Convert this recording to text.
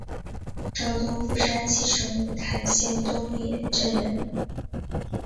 赵宗复山西省五台县东冶镇人。